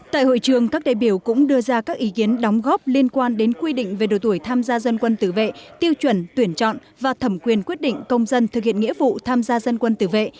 tại hội trường các đại biểu cũng đưa ra các ý kiến đóng góp liên quan đến quy định về đội tuổi tham gia dân quân tử vệ tiêu chuẩn tuyển chọn và thẩm quyền quyết định công dân thực hiện nghĩa vụ tham gia dân quân tử vệ